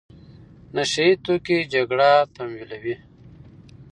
نشه يي توکي جګړه تمویلوي.